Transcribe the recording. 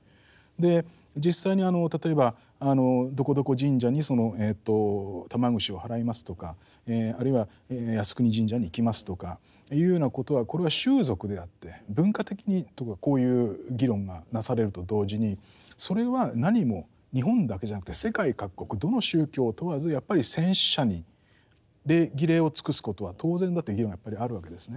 実際に例えばどこどこ神社に玉串を払いますとかあるいは靖国神社に行きますとかいうようなことはこれは習俗であって文化的にとかこういう議論がなされると同時にそれはなにも日本だけじゃなくて世界各国どの宗教を問わずやっぱり戦死者に礼儀礼を尽くすことは当然だという議論がやっぱりあるわけですね。